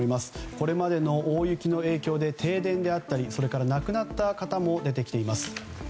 これまでの大雪の影響で停電であったりそれから、亡くなった方も出てきています。